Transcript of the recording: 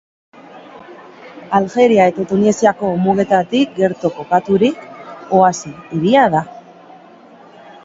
Aljeria eta Tunisiako mugetatik gertu kokaturik, oasi-hiria da.